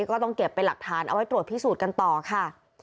ก็ต้องเก็บเป็นหลักฐานเอาไว้ตรวจพิสูจน์กันต่อค่ะ